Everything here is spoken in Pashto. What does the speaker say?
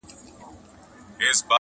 په مجلس کي ږغېدی لکه بلبله!.